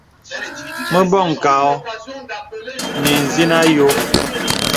Mə̀ bɔŋ kà ɔ̄ɔ̄ nə ìzìnə àyɔ̄.